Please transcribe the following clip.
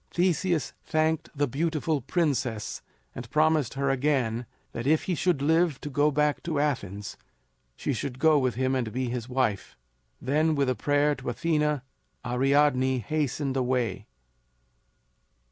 "] Theseus thanked the beautiful princess and promised her again that if he should live to go back to Athens she should go with him and be his wife. Then with a prayer to Athena, Ariadne hastened away.